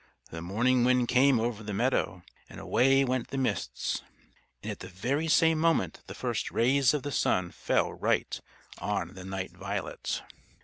The Morning Wind came over the meadow, and away went the Mists. And at the very same moment the first rays of the Sun fell right on the Night Violet.